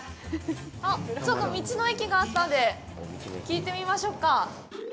ちょっと道の駅があったんで聞いてみましょうか。